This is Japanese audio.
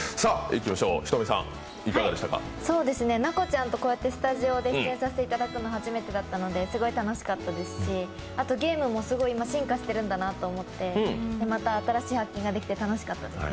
奈子ちゃんとこうやってスタジオで出演させていただくのは初めてだったのですごい楽しかったですし、ゲームも今すごい進化しているんだなと思ってまた新しい発見ができて楽しかったです。